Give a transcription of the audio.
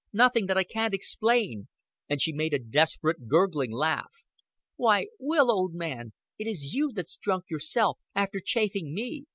Nothing that I can't explain;" and she made a desperate gurgling laugh. "Why, Will, old man, it is you that's drunk, yourself, after chaffing me?